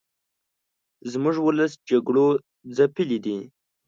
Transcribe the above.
زموږ ولس جګړو ځپلې دې